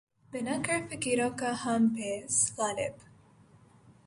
بنا کر فقیروں کا ہم بھیس، غالبؔ!